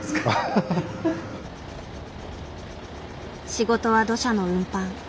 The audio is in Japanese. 仕事は土砂の運搬。